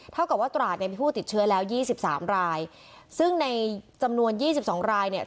เท่ากับว่าตราดเนี่ยมีผู้ติดเชื้อแล้วยี่สิบสามรายซึ่งในจำนวนยี่สิบสองรายเนี่ย